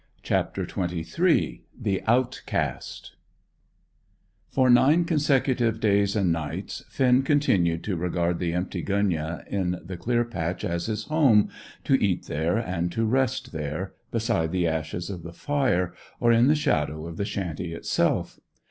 CHAPTER XXIII THE OUTCAST For nine consecutive days and nights Finn continued to regard the empty gunyah in the clear patch as his home, to eat there, and to rest there, beside the ashes of the fire, or in the shadow of the shanty itself.